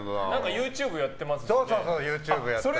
ＹｏｕＴｕｂｅやってますしね。